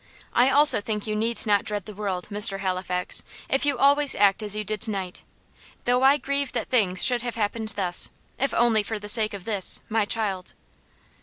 "I also think you need not dread the world, Mr. Halifax, if you always act as you did tonight; though I grieve that things should have happened thus, if only for the sake of this, my child."